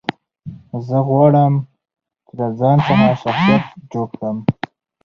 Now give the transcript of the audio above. زه غواړم، چي له ځان څخه شخصیت جوړ کړم.